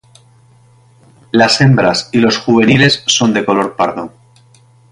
Las hembras y los juveniles son de color pardo.